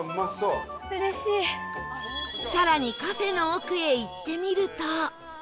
さらにカフェの奥へ行ってみると